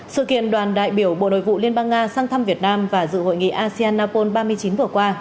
sự kiện đoàn đại biểu bộ nội vụ liên bang nga sang thăm việt nam và dự hội nghị asean apol ba mươi chín vừa qua